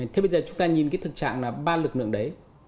thế bây giờ chúng ta nhìn cái thực trạng là ba lực lượng đấy